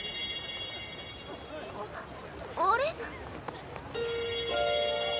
あっあれ？